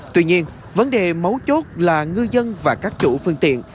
tuy nhiên vấn đề mấu chốt là ngư dân và các chủ phương tiện